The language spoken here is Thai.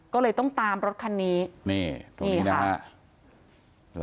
ก็เลยต้องตามรถคันนี้นี่ตรงนี้นะฮะ